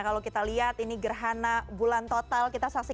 kalau kita lihat ini gerhana bulan total